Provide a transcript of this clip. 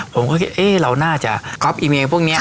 ผมก็คิดเราน่าจะซ่อนกิโลก่อนอีเมลงานปุ่นนี้